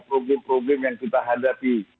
problem problem yang kita hadapi